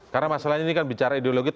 karena masalahnya ini kan bicara ideologi